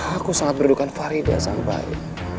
aku sangat merindukan faridah sampai